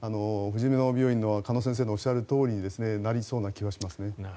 じみの病院の鹿野先生がおっしゃるとおりになりそうな気はします。